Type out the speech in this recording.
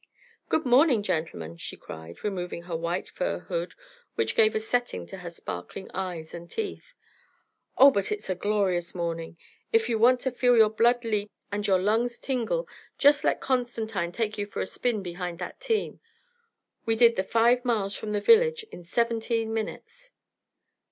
"Good morning, gentlemen!" she cried, removing the white fur hood which gave a setting to her sparkling eyes and teeth. "Oh, but it's a glorious morning! If you want to feel your blood leap and your lungs tingle, just let Constantine take you for a spin behind that team. We did the five miles from the village in seventeen minutes."